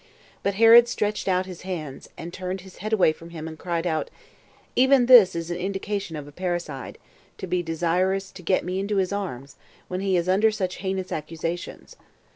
But Herod Stretched out his hands, and turned his head away from him, and cried out, "Even this is an indication of a parricide, to be desirous to get me into his arms, when he is under such heinous accusations.